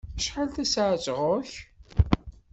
Acḥal tasaɛet ɣer-k?